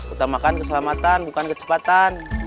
utamakan keselamatan bukan kecepatan